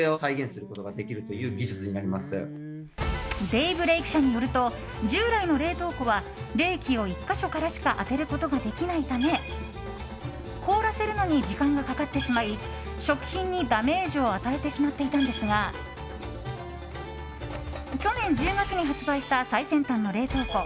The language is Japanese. デイブレイク社によると従来の冷凍庫は冷気を１か所からしか当てることができないため凍らせるのに時間がかかってしまい食品にダメージを与えてしまっていたんですが去年１０月に発売した最先端の冷凍庫